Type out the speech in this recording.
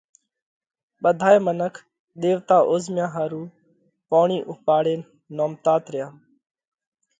ٻڌائي منک ۮيوَتا اوزهميا ۿارُو پوڻِي اُوپاڙينَ نومتات ريا۔